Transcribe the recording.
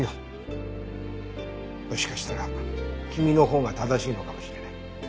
もしかしたら君のほうが正しいのかもしれない。